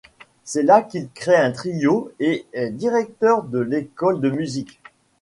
C'est là qu'il crée un trio et est directeur de l'école de musique.